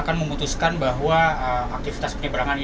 ke alles tetep di sini bahwa saya bisa diligence terus banget aja